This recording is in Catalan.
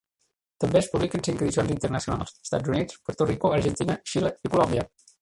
També es publiquen cinc edicions internacionals: Estats Units, Puerto Rico, Argentina, Xile i Colòmbia.